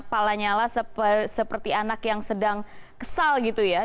palanya lah seperti anak yang sedang kesal gitu ya